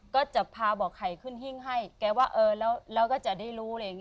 ก็จะพาบอกใครขึ้นหิ้งให้แกว่าเออแล้วก็จะได้รู้